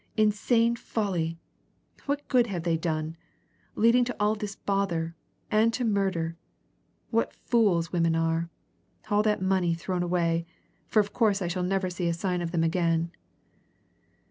"Insane folly! What good have they done? Leading to all this bother, and to murder. What fools women are! All that money thrown away! for of course I shall never see a sign of them again!"